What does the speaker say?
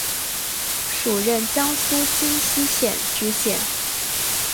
署任江苏荆溪县知县。